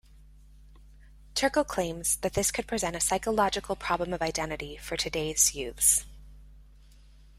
Turkle claims that this could present a psychological problem of identity for today's youths.